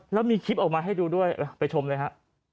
แล้วมีคลิปออกมาให้ดูด้วยไปชมเลยฮะ